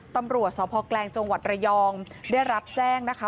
ตำรวจสพแกลงจังหวัดระยองได้รับแจ้งนะคะ